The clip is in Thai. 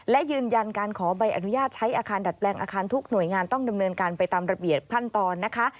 และยืนยันการขอใบอนุญาตใช้อาคารดัดแปลงอาคารทุกหน่วยงานต้องดำเนินการไปตามระเบียบขั้นตอนนะคะ